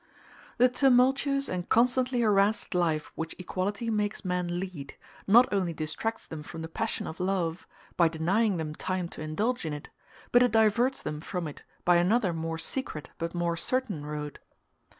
The tumultuous and constantly harassed life which equality makes men lead, not only distracts them from the passion of love, by denying them time to indulge in it, but it diverts them from it by another more secret but more certain road.